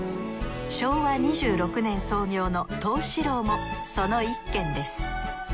昭和２６年創業の当志郎もその一軒です